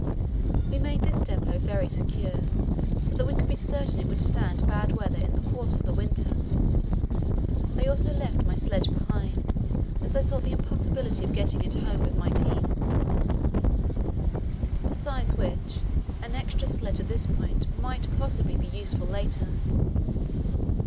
We made this depot very secure, so that we could be certain it would stand bad weather in the course of the winter. I also left my sledge behind, as I saw the impossibility of getting it home with my team; besides which, an extra sledge at this point might possibly be useful later.